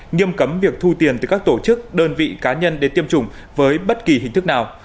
nghiêm cấm việc thu tiền từ các tổ chức đơn vị cá nhân để tiêm chủng với bất kỳ hình thức nào